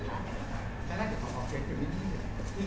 ซาร่าจะขอรับเก็บอยู่นี่